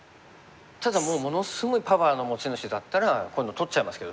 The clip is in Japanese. ただもうものすごいパワーの持ち主だったらこういうの取っちゃいますけどね。